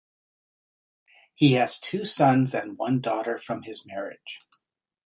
He has two sons and one daughter from this marriage.